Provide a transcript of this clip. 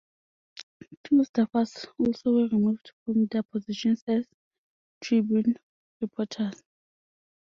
Two staffers also were removed from their positions as "Tribune" reporters.